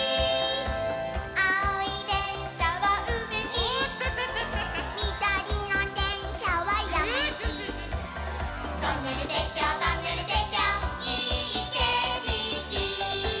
「あおいでんしゃはうみゆき」「みどりのでんしゃはやまゆき」「トンネルてっきょうトンネルてっきょういいけしき」